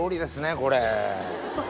これ。